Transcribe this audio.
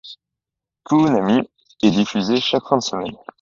Toonami est diffusé chaque fin de semaine.